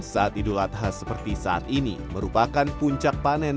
sati duladha seperti saat ini merupakan puncak panen tersebut